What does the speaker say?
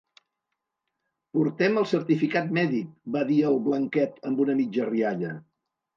Portem el certificat mèdic —va dir el Blanquet amb una mitja rialla.